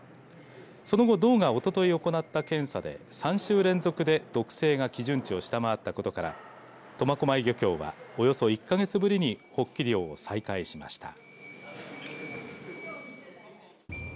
その後道がおととい行った検査で３週連続で毒性が基準値を下回ったことから苫小牧漁協はおよそ１か月ぶりにホッキ漁を再開しました。